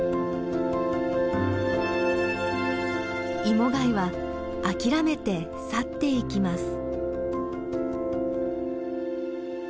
イモガイは諦めて去っていきます。